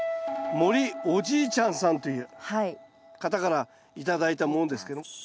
もりお爺ちゃんさんという方から頂いたものですけど。